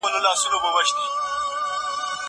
دا لاس له هغه پاک دی!!